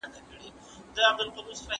درې تنه د څېړنې اصلي چمتو کوونکي وو.